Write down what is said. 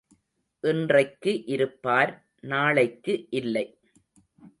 இன்றைக்கு இருப்பார் நாளைக்கு இல்லை.